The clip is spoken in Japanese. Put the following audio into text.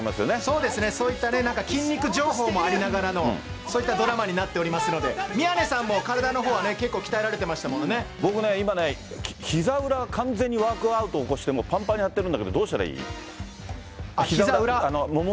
そうですね、そういったね、筋肉情報もありながらの、そういったドラマになっておりますので、宮根さんも体のほうはね、結構、僕ね、今ね、ひざ裏、完全にワークアウト起こして、もうぱんぱんに張ってるんだけど、どうしひざ裏？